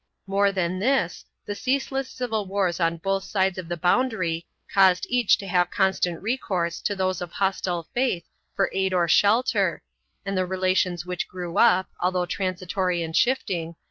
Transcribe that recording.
3 More than this, the ceaseless civil wars on both sides of the boundary caused each to have constant recourse to those of hostile faith for aid or shelter, and the relations which grew up, although transitory and shifting, 1 Lindo, pp.